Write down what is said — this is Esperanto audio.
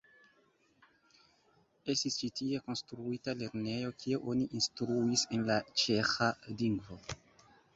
Estis ĉi tie konstruita lernejo, kie oni instruis en la ĉeĥa lingvo.